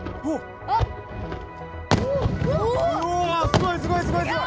うわすごいすごいすごいすごい！